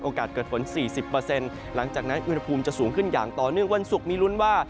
เกิดฝน๔๐หลังจากนั้นอุณหภูมิจะสูงขึ้นอย่างต่อเนื่องวันศุกร์มีลุ้นว่า